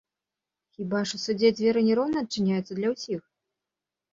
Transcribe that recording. Хіба ж у судзе дзверы не роўна адчыняюцца для ўсіх?